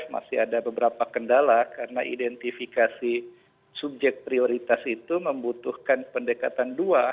masih ada beberapa kendala karena identifikasi subjek prioritas itu membutuhkan pendekatan dua